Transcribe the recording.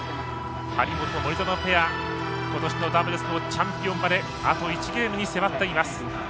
張本、森薗ペアことしのダブルスのチャンピオンまであと１ゲームに迫っています。